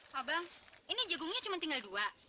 pak bang ini jagungnya cuma tinggal dua